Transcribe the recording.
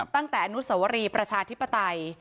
ตั้งแต่อนุสวรีประชาธิปไตย